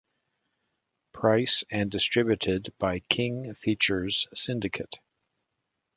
Price and distributed by King Features Syndicate.